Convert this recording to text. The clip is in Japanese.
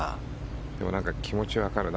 でも気持ちはわかるな。